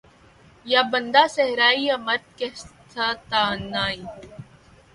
یا بندہ صحرائی یا مرد کہستانی